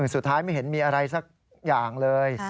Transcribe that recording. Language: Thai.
สุดท้ายไม่เห็นมีอะไรสักอย่างเลย